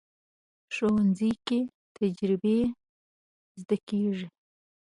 ښوونځی کې تجربې زده کېږي